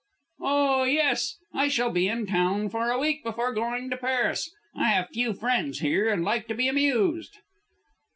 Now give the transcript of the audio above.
"Oh, yes. I shall be in town for a week before going to Paris. I have few friends here and like to be amused."